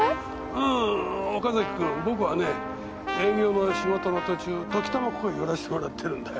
うーん岡崎君僕はね営業の仕事の途中時たまここに寄らせてもらってるんだよ。